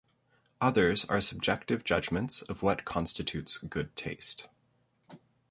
Others are subjective judgments of what constitutes good taste.